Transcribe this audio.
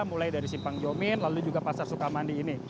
mulai dari simpang jomin lalu juga pasar sukamandi ini